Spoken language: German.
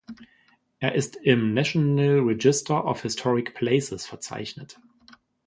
Er ist im National Register of Historic Places verzeichnet.